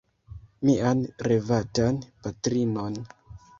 Mian revatan patrinon.